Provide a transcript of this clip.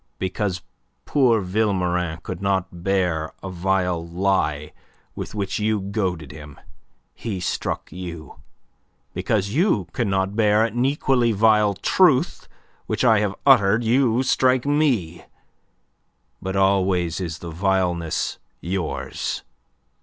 Because poor Vilmorin could not bear a vile lie with which you goaded him, he struck you. Because you cannot bear an equally vile truth which I have uttered, you strike me. But always is the vileness yours.